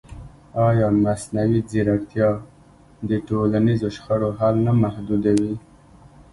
ایا مصنوعي ځیرکتیا د ټولنیزو شخړو حل نه محدودوي؟